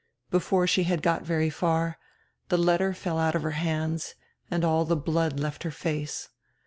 Before she had got very far, the letter fell out of her hands and all the blood left her face.